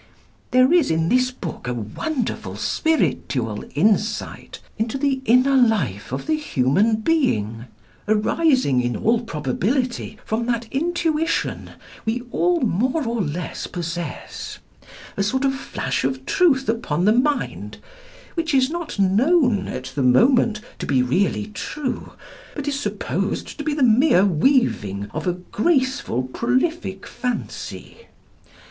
There is in this book a wonderful spiritual insight into the inner life of the human being. Arising, in all probability from that intuition we all more or less possess; a sort of flash of truth upon the mind, which is not known at the moment to be really true, but is supposed to be the mere weaving of a graceful prolific fancy.